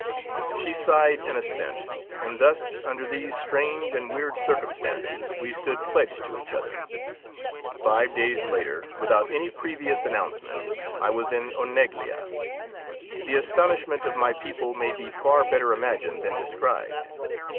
She sighed an assent, and thus, under these strange and weird circumstances, we stood pledged to each other. Five days later, without any previous announcement, I was in Oneglia. The astonishment of my people may be far better imagined than described.